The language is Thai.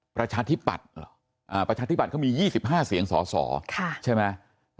ประชาธิปัตย์เหรอประชาธิบัตย์เขามี๒๕เสียงสอสอใช่ไหม